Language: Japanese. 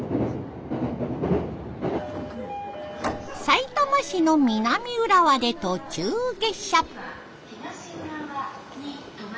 さいたま市の南浦和で途中下車。